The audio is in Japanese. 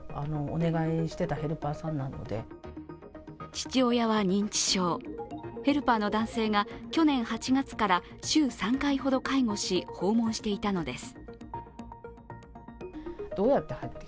父親は認知症、ヘルパーの男性が去年８月から週３回ほど介護し、訪問していたのです。